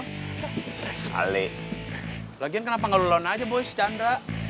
kali lagian kenapa gak lo lawan aja boy si cahandre